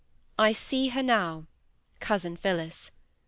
I see her now—cousin Phillis.